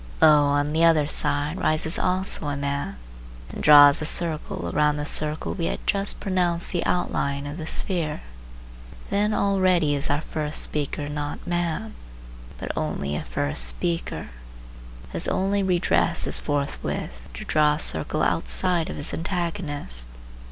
Lo! on the other side rises also a man and draws a circle around the circle we had just pronounced the outline of the sphere. Then already is our first speaker not man, but only a first speaker. His only redress is forthwith to draw a circle outside of his antagonist.